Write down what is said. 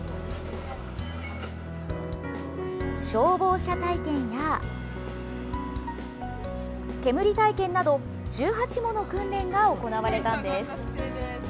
消防車体験や煙体験など１８もの訓練が行われたんです。